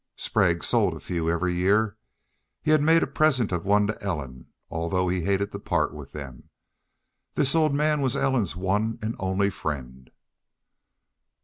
Sprague sold a few every year. He had made a present of one to Ellen, although he hated to part with them. This old man was Ellen's one and only friend.